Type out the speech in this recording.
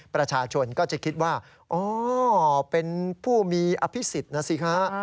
ประชาชนก็จะคิดว่าอ๋อเป็นผู้มีอภิษฎนะสิคะ